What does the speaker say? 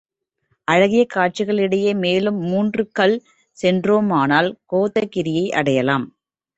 அழகிய காட்சிகளிடையே மேலும் மூன்று கல் சென்றோமானால், கோதகிரியை அடையலாம்.